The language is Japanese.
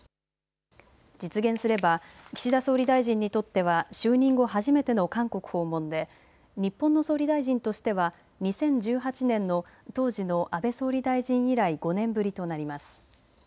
実現すれば岸田総理大臣にとっては就任後初めての韓国訪問で日本の総理大臣としては２０１８年の当時の安倍総理大臣以来、５年ぶりとなります。